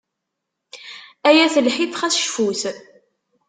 Ay at lḥif xas cfut.